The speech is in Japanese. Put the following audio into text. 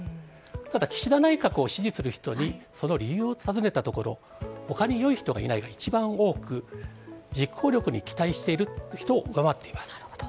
ただ岸田内閣を支持する人に、その理由を尋ねたところ、ほかによい人がいないが一番多く、実行力に期待している人を上回っています。